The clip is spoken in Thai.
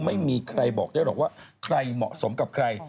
ไม่มีใครบอกได้หรอกว่าใครเหมาะสมกับใคร